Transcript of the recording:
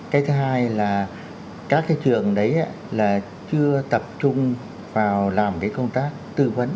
cái thứ hai là các cái trường đấy là chưa tập trung vào làm cái công tác tư vấn